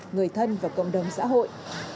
người thân và cộng đồng xã hội